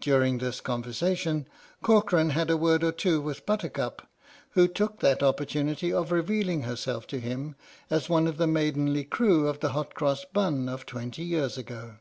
During this conversation, Corcoran had a word or two with Buttercup, w r ho took that opportunity of revealing herself to him as one of the maidenly crew of the Hot Cross Bun of twenty years ago.